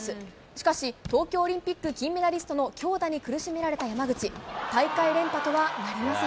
しかし、東京オリンピック金メダリストの強打に苦しめられた山口。